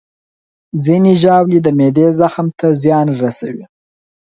ځینې ژاولې د معدې زخم ته زیان رسوي.